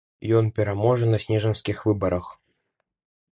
Ён пераможа на снежаньскіх выбарах.